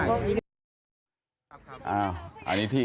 อันนี้ที่ล่อหมายต่างหาก่น